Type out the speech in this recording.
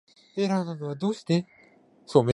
エラーなのはどうして